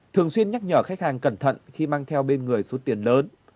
thường xuyên nhắc nhở khách hàng cẩn thận khi mang theo bên người số tiền lớn